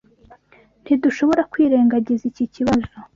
Ntidushobora kwirengagiza iki kibazo.